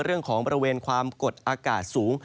เรื่องของบริเวณความกดอากาศสูง